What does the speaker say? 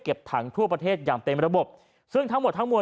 ถังทั่วประเทศอย่างเต็มระบบซึ่งทั้งหมดทั้งมวล